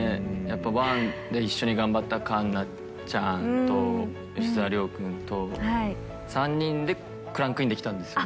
やっぱ１で一緒に頑張った環奈ちゃんと吉沢亮君と３人でクランクインできたんですよね。